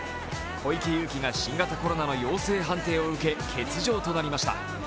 小池祐貴が新型コロナの陽性判定を受け欠場となりました。